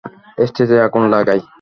স্টেজে আগুন লাগাই!